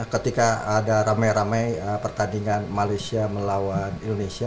ketika ada rame rame pertandingan malaysia melawan indonesia